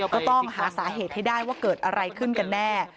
ก็ต้องหาสาเหตุให้ได้ว่าเกิดอะไรขึ้นกันแน่